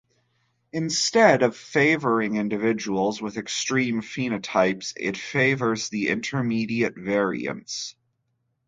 Instead of favoring individuals with extreme phenotypes, it favors the intermediate variants.